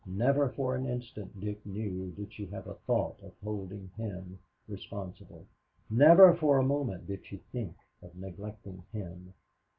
Never for an instant, Dick knew, did she have a thought of holding him responsible. Never for a moment did she think of neglecting him.